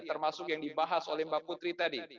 termasuk yang dibahas oleh mbak putri tadi